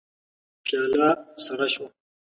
پياله سړه شوه.